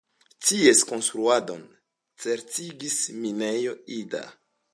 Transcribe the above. Ties konstruadon certigis Minejo Ida.